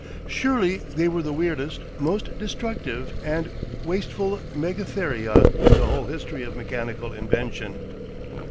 Surely they were the weirdest, most destructive and wasteful megatheria in the whole history of mechanical invention.